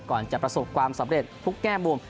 จะประสบความสำเร็จทุกแง่มุม